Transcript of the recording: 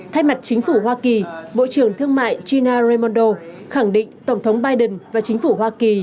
thay mặt chính phủ hoa kỳ bộ trưởng thương mại gina raimondo khẳng định tổng thống biden và chính phủ hoa kỳ